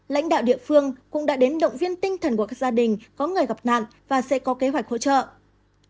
lãnh đạo địa phương cũng đã đến động viên tinh thần của các gia đình có người gặp nạn và sẽ có kế hoạch hỗ trợ